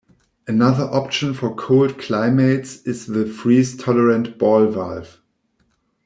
Another option for cold climates is the "freeze tolerant ball valve".